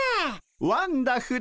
ワンダフル！